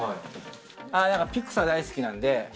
ピクサー、大好きなんで。